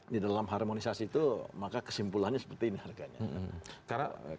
di dalam harmonisasi itu maka kesimpulannya seperti ini harganya